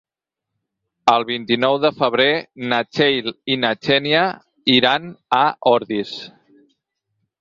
El vint-i-nou de febrer na Txell i na Xènia iran a Ordis.